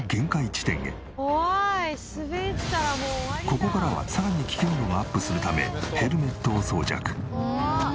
ここからはさらに危険度がアップするためヘルメットを装着。